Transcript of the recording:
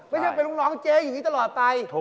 ไม่ใช่เป็นลูกน้องเจ๊อย่างนี้ตลอดไป